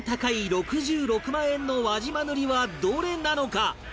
円の輪島塗はどれなのか？